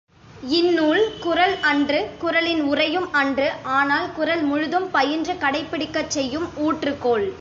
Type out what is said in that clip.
இந் நூல் குறள் அன்று குறளின் உரையும் அன்று ஆனால், குறள் முழுதும் பயின்று கடைப்பிடிக்கச் செய்யும் ஊற்றுக்கோல்!